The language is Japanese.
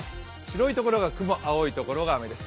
白いところが雲、青いところが雨です。